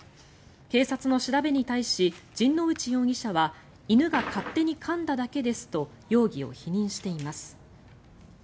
警察の調べに対し陣内容疑者は犬が勝手にかんだだけですと容疑を否認しています。